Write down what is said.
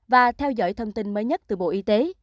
và theo dõi thông tin mới nhất từ bộ y tế